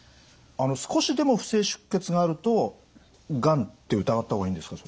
少しでも不正出血があるとがんって疑った方がいいんですか？